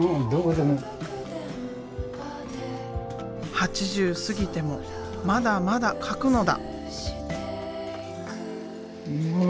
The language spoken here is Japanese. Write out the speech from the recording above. ８０過ぎてもまだまだ描くのだ！